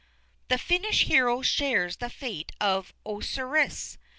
"The Finnish hero shares the fate of Osiris.